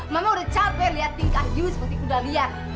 mama udah capek liat tingkah yu seperti kudalian